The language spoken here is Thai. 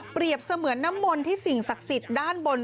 เสมือนน้ำมนต์ที่สิ่งศักดิ์สิทธิ์ด้านบน